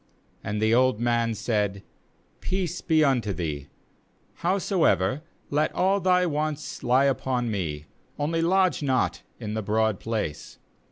20And the old man said 'Peace be unto thee; howsoever let all thy wants he upon me; only lodge not in the broad place.'